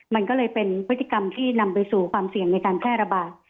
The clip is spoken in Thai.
มันก็เลยเป็นพฤติกรรมที่นำไปสู่ความเสี่ยงในการแพร่ระบาด